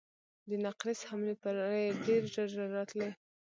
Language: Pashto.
د نقرس حملې پرې ډېر ژر ژر راتلې.